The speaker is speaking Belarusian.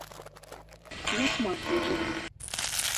Я шмат дзе быў.